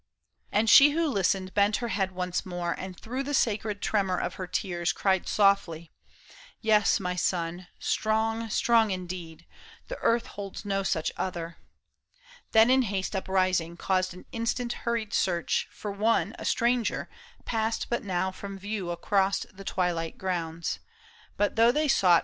And she who listened bent her head once more, And through the sacred tremor of her tears Cried softly, " Yes, my son, strong, strong indeed ; The earth holds no such other." Then in haste Uprising, caused an instant hurried search For one, a stranger, passed but now from view Across the twilight grounds. But though they sought 52 PAUL ISHAM.